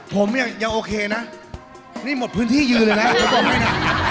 ผมยังโอเคนะนี่หมดพื้นที่ยืนเลยนะผมบอกให้นะ